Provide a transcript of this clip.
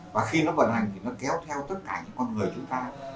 và khi nó vận hành thì nó kéo theo tất cả những con người chúng ta